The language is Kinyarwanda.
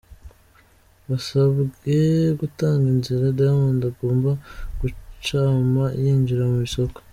Basabwe gutanga inzira Diamond agomba gucama yinjira mu isoko.